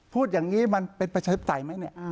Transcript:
พูดอย่างนี้มันเป็นประชาธิปไตยไหมเนี่ย